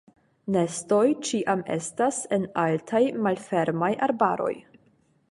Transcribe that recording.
Nestoj ĉiam estas en altaj malfermaj arbaroj.